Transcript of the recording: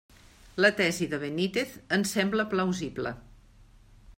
La tesi de Benítez ens sembla plausible.